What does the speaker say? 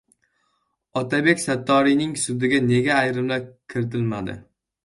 Otabek Sattoriyning sudiga nega ayrimlar kiritilmadi?